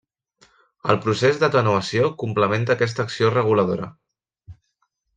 El procés d'atenuació complementa aquesta acció reguladora.